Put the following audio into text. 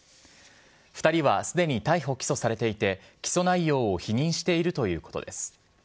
２人はすでに逮捕・起訴されていて、起訴内容を否認しているということです。